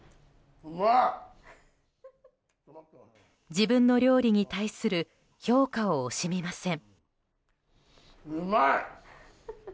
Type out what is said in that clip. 自分の料理に対する評価を惜しみません。